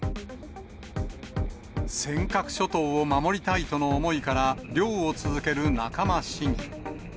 尖閣諸島を守りたいとの思いから、漁を続ける仲間市議。